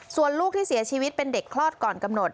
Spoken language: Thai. ส่วนลูกที่เสียชีวิตเป็นเด็กคลอดก่อนกำหนด